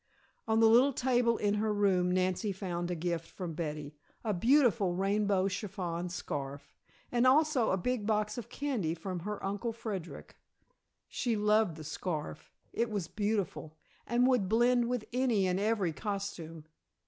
On the little table in her room Nancy found a gift from Betty, a beautiful rainbow chiffon scarf, and also a big box of candy from her Uncle Frederic. She loved the scarf; it was beautiful, and would blend with any and every costume.